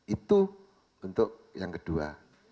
itu untuk yang kedua